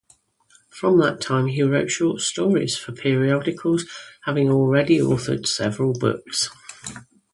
From that time, he wrote short stories for periodicals, having already authored several books.